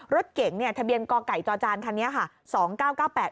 รถเก๋งเนี่ยทะเบียนกไก่จอจานคันนี้ค่ะ